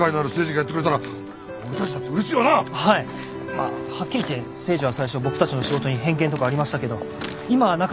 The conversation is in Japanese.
まあはっきり言って誠治は最初僕たちの仕事に偏見とかありましたけど今は仲間ですし。